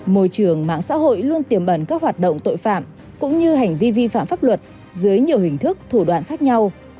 môi trường mạng xã hội luôn tiềm ẩn các hoạt động tội phạm cũng như hành vi vi phạm pháp luật dưới nhiều hình thức thủ đoạn khác nhau